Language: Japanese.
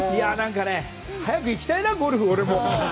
早く行きたいなゴルフ、俺も。